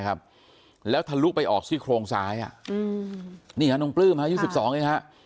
ครับแล้วทะลุไปออกซี่โครงซ้ายนี่เนี่ยน้องปลื้มบางนี้ค่ะ